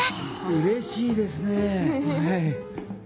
うれしいですねぇ！